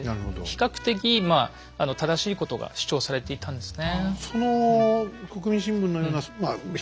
比較的まあ正しいことが主張されていたんですね。